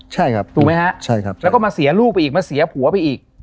ใช่ครับถูกไหมฮะใช่ครับแล้วก็มาเสียลูกไปอีกมาเสียผัวไปอีก